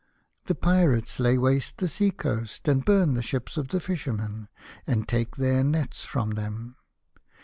The pirates lay waste the sea coast and burn the ships of the fishermen, and take their nets from them.